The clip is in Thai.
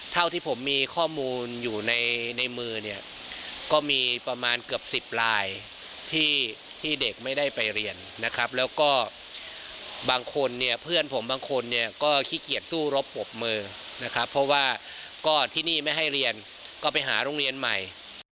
เท่าที่ผมมีข้อมูลอยู่ในมือเนี่ยก็มีประมาณเกือบ๑๐ลายที่เด็กไม่ได้ไปเรียนนะครับแล้วก็บางคนเนี่ยเพื่อนผมบางคนเนี่ยก็ขี้เกียจสู้รบปรบมือนะครับเพราะว่าก็ที่นี่ไม่ให้เรียนก็ไปหาโรงเรียนใหม่